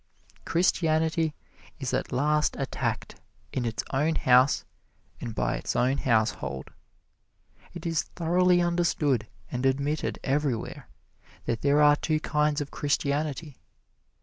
Christianity is at last attacked in its own house and by its own household. It is thoroughly understood and admitted everywhere that there are two kinds of Christianity.